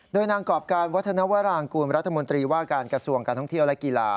โดยนางกรอบการวัฒนวรางกูลรัฐมนตรีว่าการกระทรวงการท่องเที่ยวและกีฬา